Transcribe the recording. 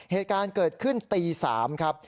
เหตุการณ์เกิดขึ้นตี๓ครับ